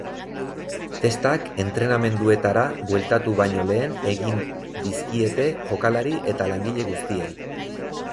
Testak entrenamenduetara bueltatu baino lehen egin dizkiete jokalari eta langile guztiei.